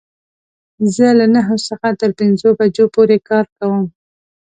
زه له نهو څخه تر پنځو بجو پوری کار کوم